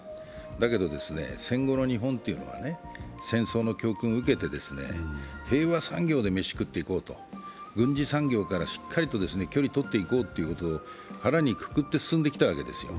だけど、戦後の日本というのは戦後の教訓を受けて平和産業で飯食っていこうと軍事産業からしっかり距離とっていこうということを腹にくくって進んできたわけですよ